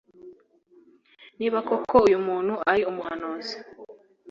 Niba koko uyu muntu ari umuhanuzi;